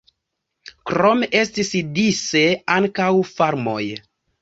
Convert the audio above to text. Krome estis dise ankaŭ farmoj.